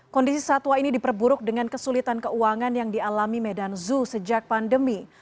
kondisi satwa ini diperburuk dengan kesulitan keuangan yang dialami medan zoo sejak pandemi